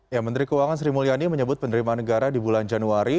ya menteri keuangan sri mulyani menyebut penerimaan negara di bulan januari